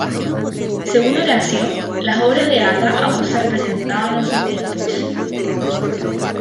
Según Horacio, las obras de Ata aún se representaban en sus tiempos.